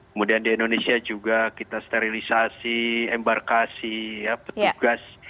kemudian di indonesia juga kita sterilisasi embarkasi petugas